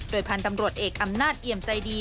พันธุ์ตำรวจเอกอำนาจเอี่ยมใจดี